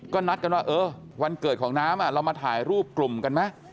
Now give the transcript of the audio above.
ก็นัดกันว่าเออวันเกิดของน้ำเรามาถ่ายรูปกลุ่มกันไหม